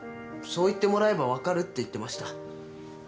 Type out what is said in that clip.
そう言ってもらえば分かるって言ってました。